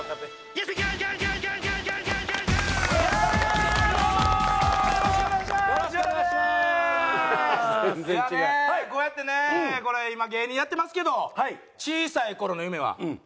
いやあねこうやってねこれ今芸人やってますけど小さい頃の夢は芸人じゃなかった。